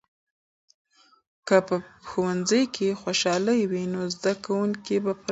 که په ښوونځي کې خوشالي وي، نو زده کوونکي به پرمخ بوځي.